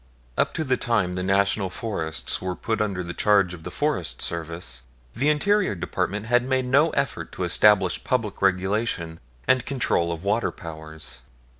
Up to the time the National Forests were put under the charge of the Forest Service, the Interior Department had made no effort to establish public regulation and control of water powers.